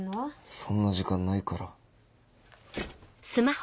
そんな時間ないから。